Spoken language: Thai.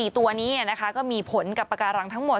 ตัวนี้ก็มีผลกับปากการังทั้งหมด